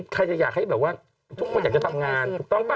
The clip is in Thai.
ใครจะอยากให้แบบทุกคนอยากจะต่างาน